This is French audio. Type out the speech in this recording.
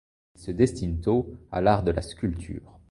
Il se destine tôt à l'art de la sculpture.